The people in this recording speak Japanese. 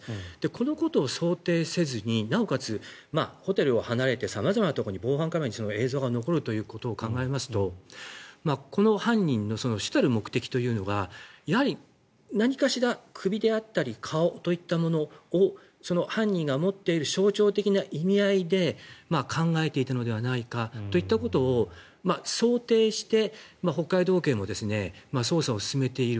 このことを想定せずになおかつホテルを離れて様々なところに防犯カメラの映像に残ることを考えますとこの犯人の主たる目的というのがやはり何かしら首であったり顔といったものをその犯人が持っている象徴的な意味合いで考えていたのではないかといったことを想定して北海道警も捜査を進めている。